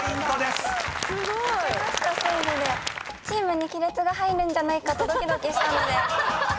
すごい！チームに亀裂が入るんじゃないかとドキドキしたので。